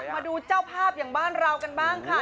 มาดูเจ้าภาพอย่างบ้านเรากันบ้างค่ะ